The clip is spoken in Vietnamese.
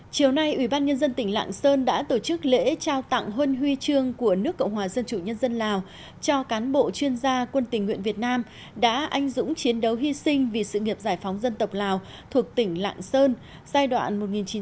chiều nay ủy ban nhân dân tỉnh lạng sơn đã tổ chức lễ trao tặng hôn huy chương của nước cộng hòa dân chủ nhân dân lào cho cán bộ chuyên gia quân tình nguyện việt nam đã anh dũng chiến đấu hy sinh vì sự nghiệp giải phóng dân tộc lào thuộc tỉnh lạng sơn giai đoạn một nghìn chín trăm bốn mươi năm một nghìn chín trăm bảy mươi năm